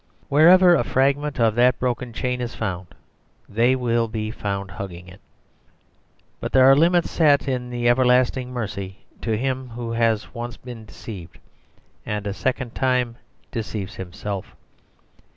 Wherever a fragment of that broken chain is found, they will be found hugging it. But there are limits set in the everlasting mercy to him who has been once deceived and a second time deceives himself.